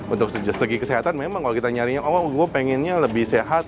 untuk segi kesehatan memang kalau kita nyarinya oh gue pengennya lebih sehat